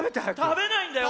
たべないんだよ